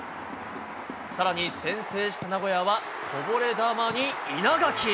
更に先制した名古屋はこぼれ球に稲垣。